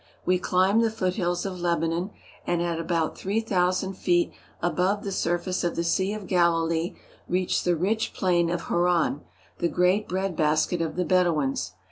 We climbed the foothills of Lebanon, and at about three thousand feet above the surface of the Sea of Galilee reached the rich plain of Hauran, the great bread basket of the Bedouins.